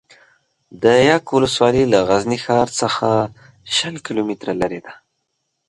ده یک ولسوالي له غزني ښار څخه شل کیلو متره لري ده